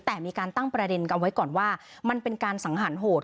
แต่มีการตั้งประเด็นกันเอาไว้ก่อนว่ามันเป็นการสังหารโหด